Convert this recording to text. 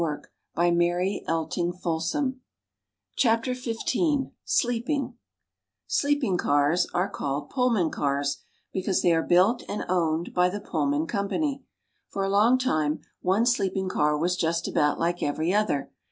SLEEPING Sleeping cars are called Pullman cars, because they are built and owned by the Pullman Company. For a long time, one sleeping car was just about like every other.